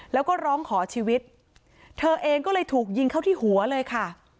แล้วก็ร้องขอชีวิตเธอเองก็เลยถูกยิงเข้าที่หัวเลยค่ะ